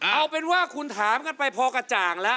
เอาเป็นว่าคุณถามกันไปพอกระจ่างแล้ว